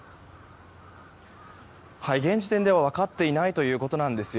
現時点では分かっていないということです。